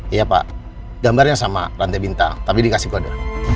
iya pak gambarnya sama lantai bintang tapi dikasih kode